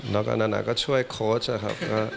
แล้วก็นานาก็ช่วยโค้ชนะครับ